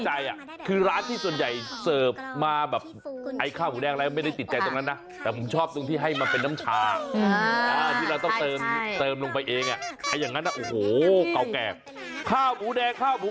อร่อยเด็ดขนาดไหนติดตามไปช่วงปลาร์นเกม